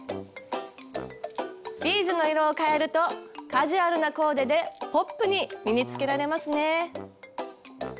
ビーズの色を変えるとカジュアルなコーデでポップに身につけられますね。